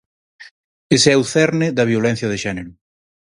Ese é o cerne da violencia de xénero.